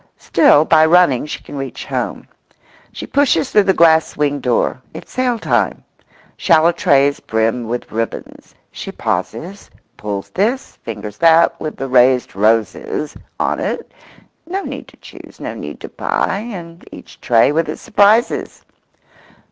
Still by running she can reach home. She pushes through the glass swing door. It's sale time. Shallow trays brim with ribbons. She pauses, pulls this, fingers that with the raised roses on it—no need to choose, no need to buy, and each tray with its surprises.